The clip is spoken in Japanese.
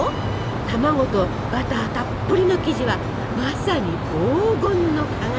卵とバターたっぷりの生地はまさに黄金の輝き。